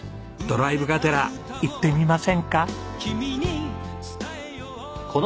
ドライブがてら行ってみませんか？